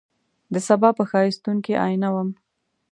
دسبا په ښایستون کي آئینه وم